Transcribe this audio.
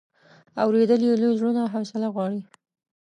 اورېدل یې لوی زړونه او حوصله غواړي.